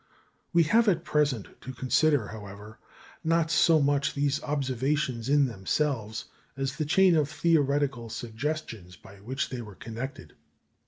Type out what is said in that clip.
We have at present to consider, however, not so much these observations in themselves, as the chain of theoretical suggestions by which they were connected.